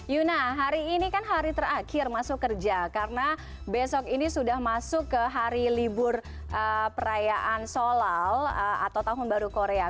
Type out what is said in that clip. yuna hari ini kan hari terakhir masuk kerja karena besok ini sudah masuk ke hari libur perayaan solal atau tahun baru korea